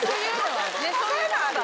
そういうのはある。